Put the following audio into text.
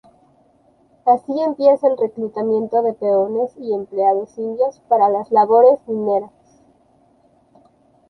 Así empieza el reclutamiento de peones y empleados indios para las labores mineras.